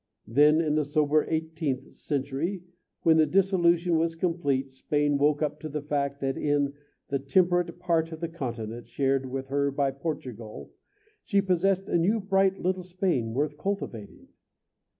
Then, in the sober eighteenth century, when the disillusion was complete, Spain woke up to the fact that in the temperate part of the continent, shared by her with Portugal, she possessed a new bright little Spain worth cultivating.